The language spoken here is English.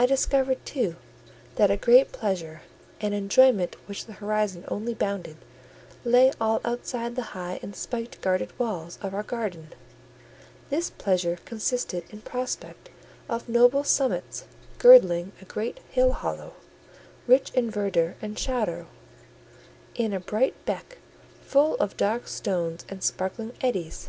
I discovered, too, that a great pleasure, an enjoyment which the horizon only bounded, lay all outside the high and spike guarded walls of our garden: this pleasure consisted in prospect of noble summits girdling a great hill hollow, rich in verdure and shadow; in a bright beck, full of dark stones and sparkling eddies.